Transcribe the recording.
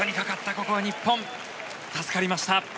ここは日本、助かりました。